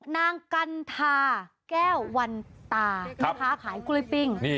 นางกัณฑาแก้ววันตาแม่ค้าขายกล้วยปิ้ง